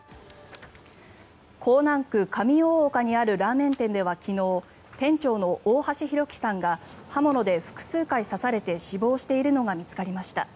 港南区上大岡にあるラーメン店では昨日店長の大橋弘輝さんが刃物で複数回刺されて死亡しているのが見つかりました。